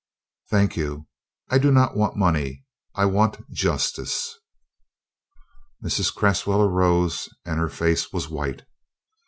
"Thank you. I do not want money; I want justice." Mrs. Cresswell arose and her face was white.